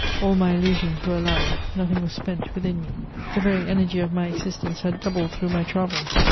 All my illusions were alive, nothing was spent within me; the very energy of my existence had doubled through my travels.